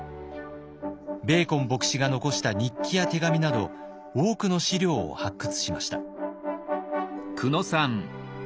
ベーコン牧師が残した日記や手紙など多くの資料を発掘しました。